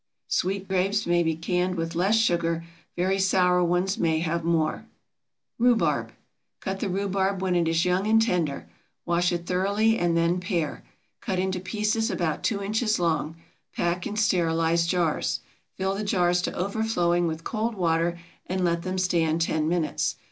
Sweet grapes may be canned with less sugar; very sour ones may have more. RHUBARB. Cut the rhubarb when it is young and tender. Wash it thoroughly and then pare; cut into pieces about 2 inches long. Pack in sterilized jars. Fill the jars to overflowing with cold water and let them stand ten minutes.